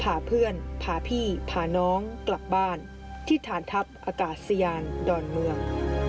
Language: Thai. พาเพื่อนพาพี่พาน้องกลับบ้านที่ฐานทัพอากาศยานดอนเมือง